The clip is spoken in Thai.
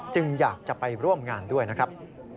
อยากจะไปร่วมงานด้วยนะครับ